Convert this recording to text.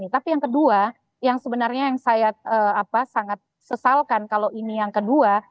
tapi yang kedua yang sebenarnya yang saya sangat sesalkan kalau ini yang kedua